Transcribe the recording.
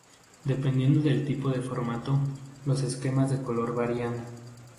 Dependiendo del tipo de formato, los esquemas de color varían.